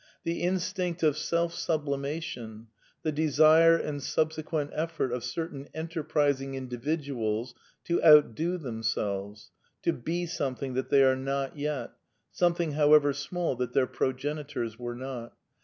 The instinct of self sublimation, the desire and sub sequent effort of certain enterprising individuals to outdo themselves, to be something that they are not yet, some thing, however small, that their progenitors were not.